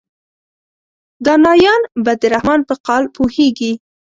دانایان به د رحمان په قال پوهیږي.